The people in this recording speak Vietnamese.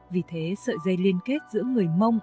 vì thế sợi dây liên kết giữa người mông